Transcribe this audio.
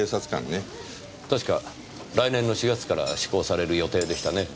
確か来年の４月から施行される予定でしたね。